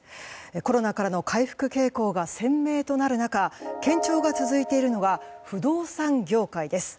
コロナからの回復傾向が鮮明となる中堅調が続いているのは不動産業界です。